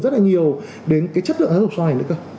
rất là nhiều đến cái chất lượng giáo dục sau này nữa cơ